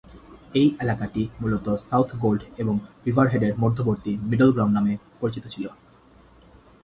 এই এলাকাটি মূলত সাউথগোল্ড এবং রিভারহেডের মধ্যবর্তী "মিডল গ্রাউন্ড" নামে পরিচিত ছিল।